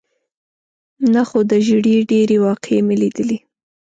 نه، خو د ژېړي ډېرې واقعې مې لیدلې.